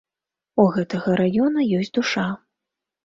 У гэтага раёна ёсць душа.